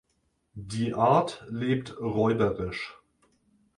Die Art lebt räuberisch.